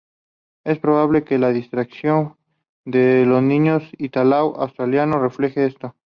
Es probable que la distribución de los niños ítalo-australianos refleje esto.